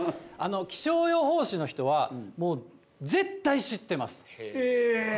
気象予報士の人は、もう、絶対知ってます。